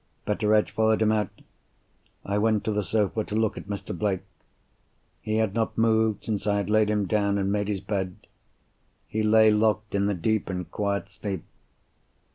Betteredge followed him out. I went to the sofa to look at Mr. Blake. He had not moved since I had laid him down and made his bed—he lay locked in a deep and quiet sleep.